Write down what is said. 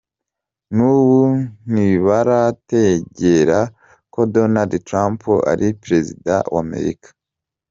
"N'ubu ntibarategera ko Donald Trump ari prezida wa Amerika".